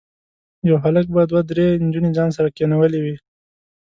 یو هلک به دوه درې نجونې ځان سره کېنولي وي.